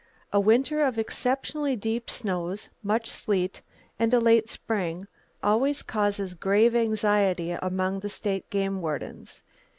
A winter of exceptionally deep snows, much sleet, and a late spring always causes grave anxiety among the state game wardens.